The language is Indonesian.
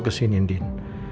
ke sini din